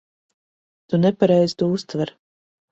Tu nepareizi to uztver.